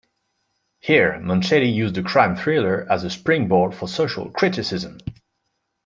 Here, Manchette used the crime thriller as a springboard for social criticism.